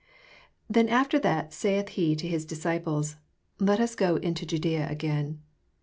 7 Then after that aith he to Au dis eiplee, Let us go into Jadsea again.